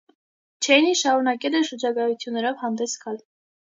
Չեյնին շարունակել է շրջագայություններով հանգես գալ։